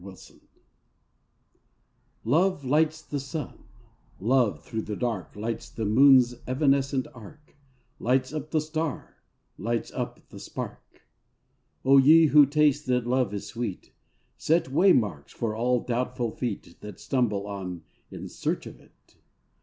T OVE lights the sun, Love through the dark Lights the moon's evanescent arc, Lights up the star, lights up the spark. O ye who taste that love is sweet, Set waymarks for all doubtful feet That stumble on in search of it.